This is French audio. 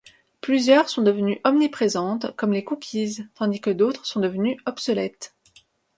Plusieurs sont devenues omniprésentes comme les cookies tandis que d'autres sont devenues obsolètes.